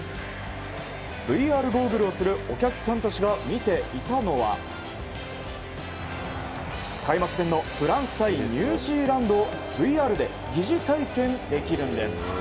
ＶＲゴーグルをするお客さんたちが見ていたのは開幕戦のフランス対ニュージーランドをＶＲで疑似体験できるんです。